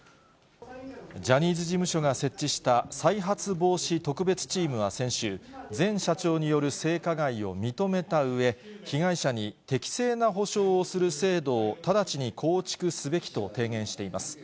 ジャニーズ事務所が設置した再発防止特別チームは先週、前社長による性加害を認めたうえ、被害者に適正な補償をする制度を直ちに構築すべきと提言しています。